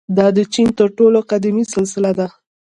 • دا د چین تر ټولو قدیمي سلسله ده.